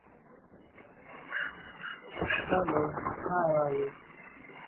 The track of the hurricane was described as highly erratic and unpredictable.